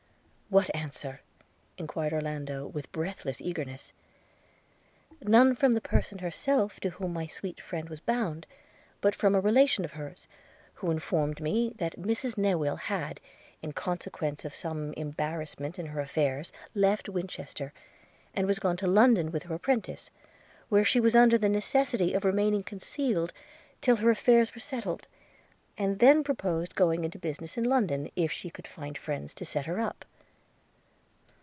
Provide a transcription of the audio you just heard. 'What answer?' enquired Orlando, with breathless eagerness. 'None from the person herself to whom my sweet friend was bound, but from a relation of hers, who informed me that Mrs Newill had, in consequence of some embarrassment in her affairs, left Winchester, and was gone to London with her apprentice, where she was under the necessity of remaining concealed till her affairs were settled; and then proposed going into business in London, if she could find friends to set her up.'